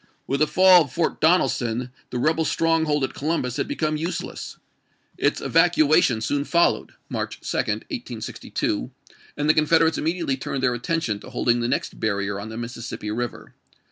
With the fall of Fort Donelson the rebel strong hold at Columbus had become useless. Its evacua 294 ABRAHAM LINCOLN cii. XVII. tion soon followed (March 2, 1862), and the Coufedevates immediately turned their attention to holding the next barrier on the Mississippi River.